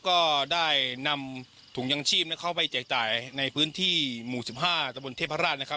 ก็ได้นำถุงยังชีพเข้าไปแจกจ่ายในพื้นที่หมู่๑๕ตะบนเทพราชนะครับ